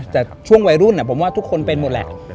แต่ช่วงวัยรุ่นผมว่าทุกคนเป็นหมดแหละ